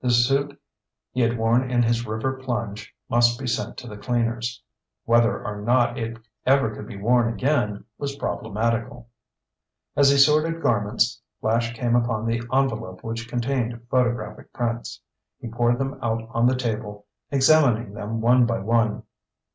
The suit he had worn in his river plunge must be sent to the cleaners. Whether or not it ever could be worn again was problematical. As he sorted garments, Flash came upon the envelope which contained photographic prints. He poured them out on the table, examining them one by one.